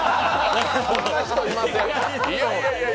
そんな人いません！